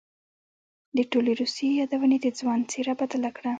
د ټولې روسيې يادونې د ځوان څېره بدله کړه.